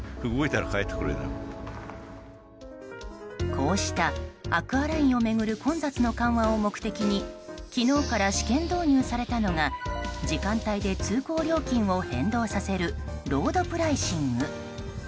こうしたアクアラインを巡る混雑の緩和を目的に昨日から試験導入されたのが時間帯で通行料金を変動させるロードプライシング。